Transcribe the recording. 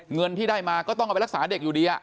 เงินที่ได้มาก็ต้องเอาไปรักษาเด็กอยู่ดี